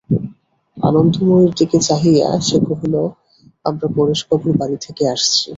আনন্দময়ীর দিকে চাহিয়া সে কহিল, আমরা পরেশবাবুর বাড়ি থেকে আসছি।